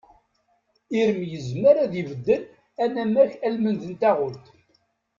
Irem yezmer ad ibeddel anamek almend n taɣult.